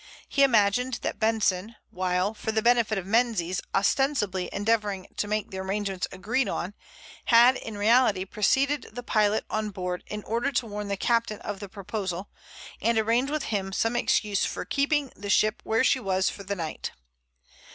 He imagined that Benson while, for the benefit of Menzies, ostensibly endeavoring to make the arrangements agreed on, had in reality preceded the pilot on board in order to warn the captain of the proposal, and arrange with him some excuse for keeping the ship where she was for the night.